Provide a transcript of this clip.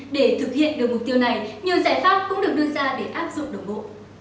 để thực hiện được mục tiêu này nhiều giải pháp cũng được đưa ra để áp dụng đồng bộ